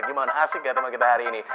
gimana asik ya teman kita hari ini